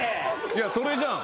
いやそれじゃん。